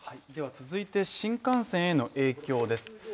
続いて新幹線への影響です。